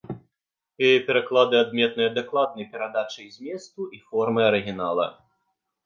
Яе пераклады адметныя дакладнай перадачай зместу і формы арыгінала.